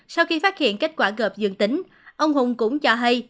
sau khi phát hiện kết quả gợp dương tính ông hùng cũng cho hay